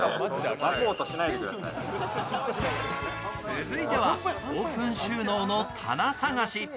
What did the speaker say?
続いてはオープン収納の棚探し。